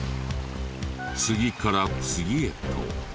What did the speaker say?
次から次へと。